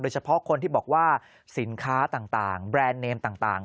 เฉพาะคนที่บอกว่าสินค้าต่างแบรนด์เนมต่าง